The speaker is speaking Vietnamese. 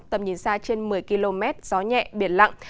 tầm nhìn xa trên một mươi km gió nhẹ biển lặng